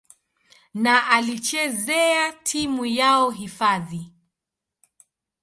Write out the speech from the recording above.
na alichezea timu yao hifadhi.